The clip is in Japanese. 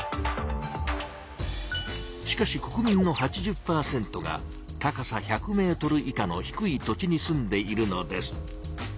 しかし国民の８０％が高さ１００ｍ以下の低い土地に住んでいるのです。